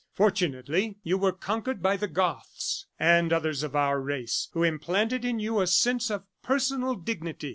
Fortunately you were conquered by the Goths and others of our race who implanted in you a sense of personal dignity.